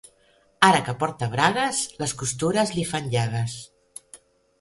"Ara que porta bragues, les costures li fan llagues".